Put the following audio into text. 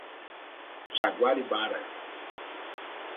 Jaguaribara